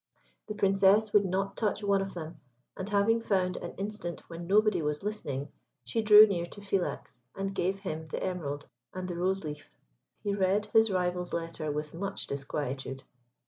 The Princess would not touch one of them, and having found an instant when nobody was listening, she drew near to Philax and gave him the emerald and the rose leaf. He read his rival's letter with much disquietude.